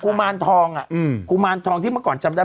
มารทองอ่ะอืมกุมารทองที่เมื่อก่อนจำได้